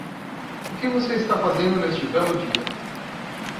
O que você está fazendo neste belo dia?